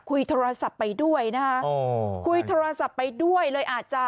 คุยโทรศัพท์ไปด้วยนะคะคุยโทรศัพท์ไปด้วยเลยอาจจะ